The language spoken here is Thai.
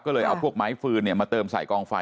ก็เลยเอาพวกไม้ฟืนมาเติมใส่กองไฟ